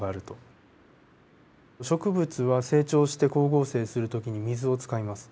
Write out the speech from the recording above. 植物は成長して光合成する時に水を使います。